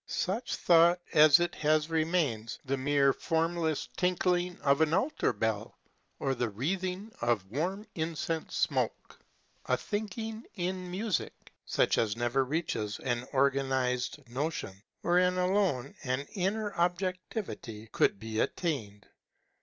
Such thought as it has remains the mere formless tinkling of an altar bell, or the wreathing of warm incense smoke — a thinking in music, such as never reaches an organized notion, wherein alone an inner objectivity could be attained.